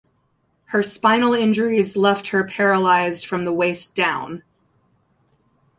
Her spinal injuries left her paralysed from the waist down.